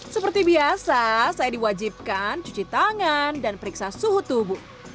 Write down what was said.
seperti biasa saya diwajibkan cuci tangan dan periksa suhu tubuh